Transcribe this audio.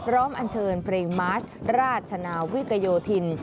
อันเชิญเพลงมาร์ชราชนาวิกโยธิน